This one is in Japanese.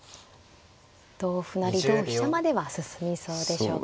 同歩成同飛車までは進みそうでしょうか。